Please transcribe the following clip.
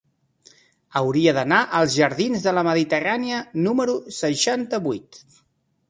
Hauria d'anar als jardins de la Mediterrània número seixanta-vuit.